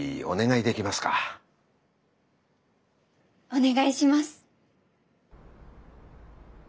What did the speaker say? お願いします。